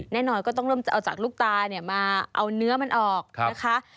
แน่นอนก็ต้องเริ่มจะเอาจากลูกตามาเอาเนื้อมันออกนะคะ